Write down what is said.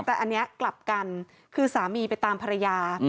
แต่อันนี้กลับกันคือสามีไปตามภรรยา